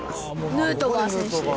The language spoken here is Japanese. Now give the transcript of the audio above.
ヌートバー選手です。